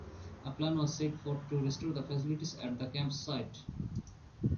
A plan was set forth to restore the facilities at the camp site.